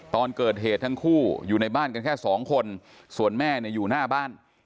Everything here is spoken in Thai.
ตอนเกิดเหตุทั้งคู่อยู่ในบ้านกันแค่สองคนส่วนแม่เนี่ยอยู่หน้าบ้าน